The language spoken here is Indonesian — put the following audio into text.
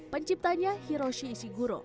penciptanya hiroshi ishiguro